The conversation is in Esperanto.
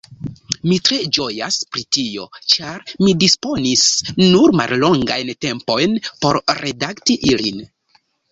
Mi tre ĝojas pri tio, ĉar mi disponis nur mallongajn tempojn por redakti ilin.